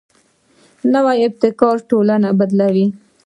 نوی ابتکار ټولنه بدلوي